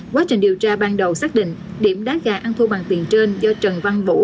quá trình điều tra ban đầu xác định điểm đá gà ăn thua bằng tiền trên do trần văn vũ